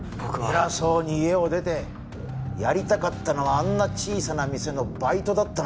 偉そうに家を出てやりたかったのはあんな小さな店のバイトだったのか？